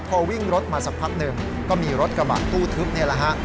พอวิ่งรถมาสักพักหนึ่งก็มีรถกระบะตู้ทึบนี่แหละฮะ